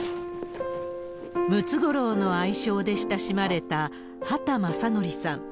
ムツゴロウの愛称で親しまれた、畑正憲さん。